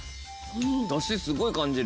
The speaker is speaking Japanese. ダシすごい感じる。